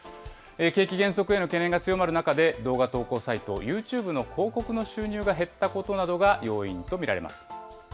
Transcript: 景気減速への懸念が強まる中で、動画投稿サイト、ユーチューブの広告の収入が減ったことなどが要因と見られます。